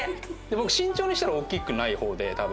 僕身長にしたら大きくない方で多分。